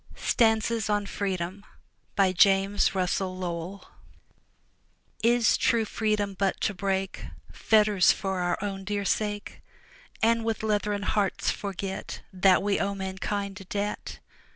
STANZAS ON FREEDOM James Russell Lowell Is true Freedom but to break Fetters for our own dear sake. And, with leathern hearts, forget That we owe mankind a debt?